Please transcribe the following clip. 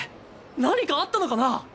何かあったのかな？